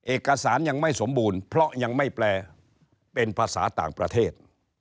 เอกสารยังไม่สมบูรณ์เพราะยังไม่แปลเป็นภาษาต่างประเทศ